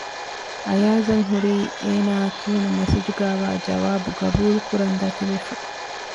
އަޔާޒަށް ހުރީ އޭނާއަށް ކިޔުނު މެސެޖުގައިވާ ޖަވާބު ގަބޫލުކުރަން ދަތިވެފަ